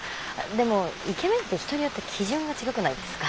でもイケメンって人によって基準が違くないですか？